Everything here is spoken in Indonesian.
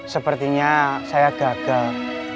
sepertinya saya gagal